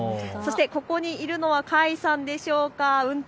ここにいるのは櫂さんでしょうか